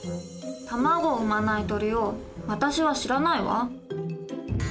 卵を産まない鳥を私は知らないわ。